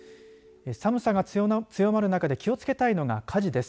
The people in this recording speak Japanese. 寒さが強まる中で気をつけたいのが火事です。